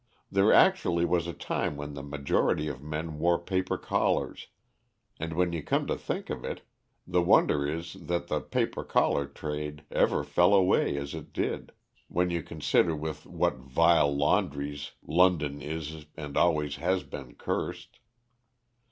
There actually was a time when the majority of men wore paper collars, and, when you come to think of it, the wonder is that the paper collar trade ever fell away as it did, when you consider with what vile laundries London is and always has been cursed.